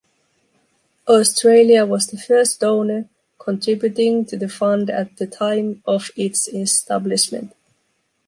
Australia was the first donor contributing to the Fund at the time of its establishment.